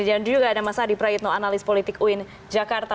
dan juga ada mas adi praitno analis politik uin jakarta